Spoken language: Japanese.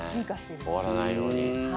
終わらないように。